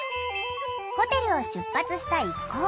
ホテルを出発した一行。